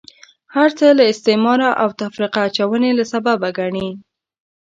هرڅه له استعماره او تفرقه اچونې له سببه ګڼي.